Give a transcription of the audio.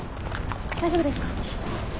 大丈夫ですか？